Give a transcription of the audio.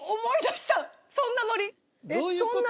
そんなノリ？